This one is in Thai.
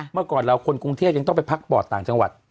เมื่อก่อนเราคนกรุงเทพยังต้องไปพักปอดต่างจังหวัด